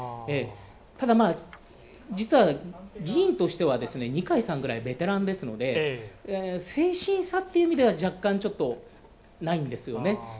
ただ、実は議員としては、二階さんぐらいベテランですので、先進さっていうのは若干、ないんですよね。